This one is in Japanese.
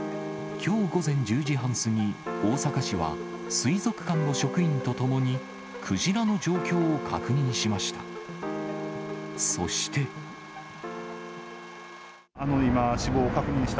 きょう午前１０時半過ぎ、大阪市は水族館の職員と共に、クジラの状況を確認しました。